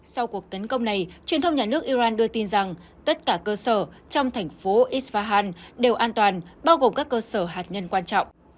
sau cuộc tấn công này truyền thông nhà nước iran đưa tin rằng tất cả cơ sở trong thành phố isvahan đều an toàn bao gồm các cơ sở hạt nhân quan trọng